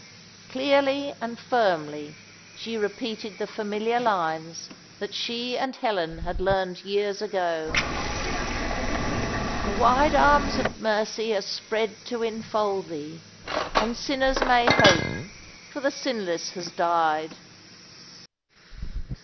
Clearly and firmly she repeated the familiar lines that she and Helen had learnt years ago, "The wide arms of Mercy are spread to enfold thee, And sinners may hope, for the Sinless has died."